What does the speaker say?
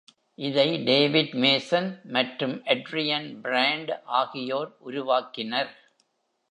இதை David Mason மற்றும் Adrian Brand ஆகியோர் உருவாக்கினர்.